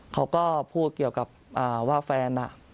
เขาก็พูดเกี่ยวกับว่าแฟน